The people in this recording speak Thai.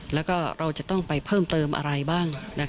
แล้วก็เราจะต้องไปเพิ่มเติมอะไรบ้าง